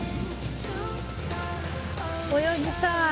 泳ぎたい。